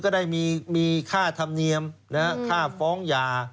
ก็ได้มีค่าธรรมเนียมค่าฟ้องยา